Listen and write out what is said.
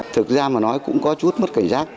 thực ra mà nói cũng có chút mất cảnh giác